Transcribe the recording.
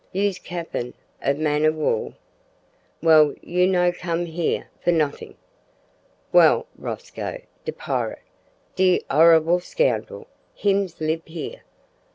You's cappen ob man ob war. Well, you no comes here for notting. Well, Rosco de pirit, de horroble scoundril, hims lib here.